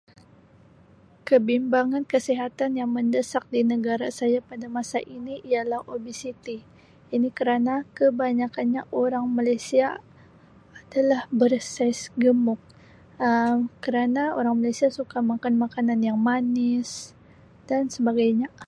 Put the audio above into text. Kebimbangan kesihatan yang mendesak di negara saya pada masa ini ialah obesiti ini kerana kebanyakkannya urang Malaysia adalah bersaiz gemuk Um kerana orang Malaysia suka makan makanan yang manis dan sebagainya.